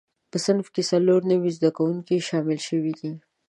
په صنف کې څلور نوي زده کوونکي شامل شوي دي.